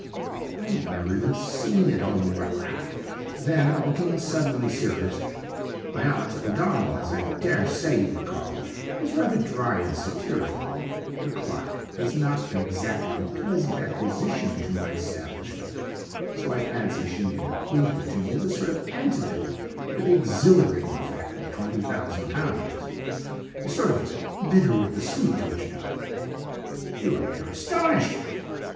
"I had never even seen it!" O'Moore laughed then, looking suddenly serious: "My aunt, O'Donnell, as I daresay you recollect, was rather dry and satirical. The clock has not been exactly a pleasant acquisition to my establishment; so I fancy she may have bequeathed it to me as a sort of antidote to the exhilarating effect of £20,000. A sort of 'bitter with the sweet,' don't you know! You appear astonished!